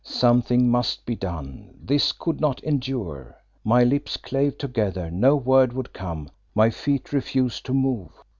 Something must be done, this could not endure. My lips clave together, no word would come; my feet refused to move.